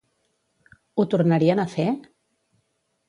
Ho tornarien a fer?